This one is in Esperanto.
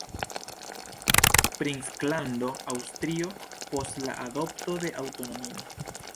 Princlando Asturio, post la adopto de aŭtonomio.